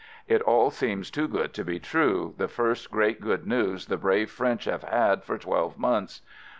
It all seems too good to be true, the first great good news the brave French have had for twelve months.